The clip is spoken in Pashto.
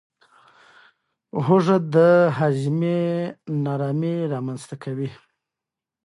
هوږه د هاضمې نارامي رامنځته کوي.